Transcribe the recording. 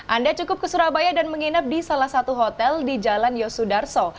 anda cukup ke surabaya dan menginap di salah satu hotel di jalan yosudarso